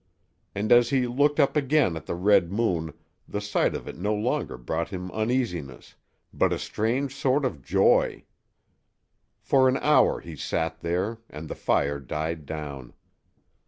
And as he looked up again at the red moon the sight of it no longer brought him uneasiness, but a strange sort of joy. For an hour he sat there, and the fire died down.